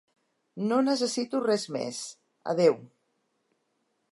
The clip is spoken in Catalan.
No necessito res més, adeu!